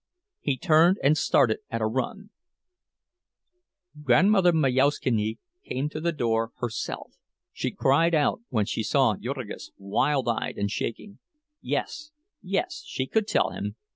He turned and started at a run. Grandmother Majauszkiene came to the door herself. She cried out when she saw Jurgis, wild eyed and shaking. Yes, yes, she could tell him.